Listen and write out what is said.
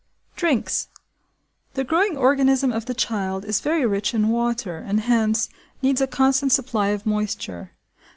Drinks. The growing organism of the child is very rich in water, and, hence, needs a constant supply of moisture.